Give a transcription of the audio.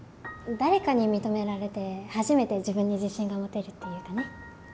誰かに認められて初めて自分に自信が持てるっていうかね。